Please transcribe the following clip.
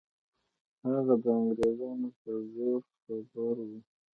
هغه د انګریزانو په زور خبر وو.